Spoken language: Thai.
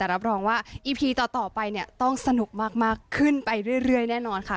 รับรองว่าอีพีต่อไปเนี่ยต้องสนุกมากขึ้นไปเรื่อยแน่นอนค่ะ